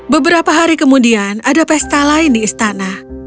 beberapa hari kemudian ada pesta lain di istana